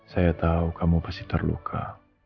saya tahu kamu pasti terluka